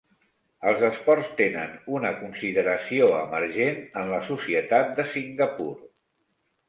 Els esports tenen una consideració emergent en la societat de Singapur.